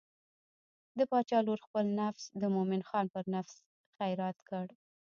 د باچا لور خپل نفس د مومن خان پر نفس خیرات کړ.